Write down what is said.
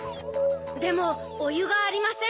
でもおゆがありません。